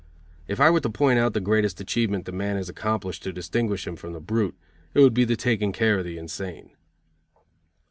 If I were to point out the greatest achievement that man has accomplished to distinguish him from the brute, it would be the taking care of the insane.